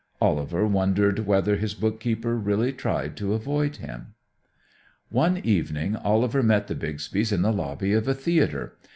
Oliver wondered whether his bookkeeper really tried to avoid him. One evening Oliver met the Bixbys in the lobby of a theater.